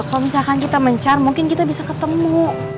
kalau misalkan kita mencar mungkin kita bisa ketemu